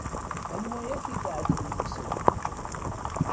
Anwa i ak-iɛeǧben deg-sen?